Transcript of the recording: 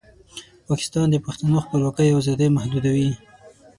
پاکستان د پښتنو خپلواکۍ او ازادۍ محدودوي.